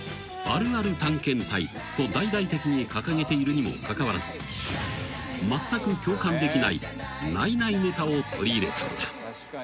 あるある探検隊と大々的に掲げているにもかかわらずまったく共感できないないないネタを取り入れたのだ］